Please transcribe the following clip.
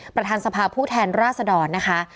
ประธานสภาผู้แทนราษดรนะคะ